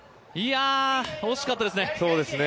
惜しかったですね。